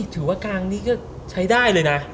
ถือว่ากลางนี้ก็ใช้ได้เลยนะ